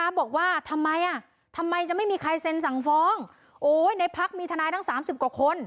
บอกว่าทำไมอ่ะทำไมจะไม่มีใครเซ็นสั่งฟ้องโอ้ยในพักมีทนายทั้ง๓๐กว่าคน